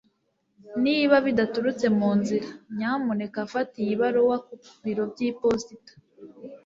niba bidaturutse mu nzira, nyamuneka fata iyi baruwa ku biro by'iposita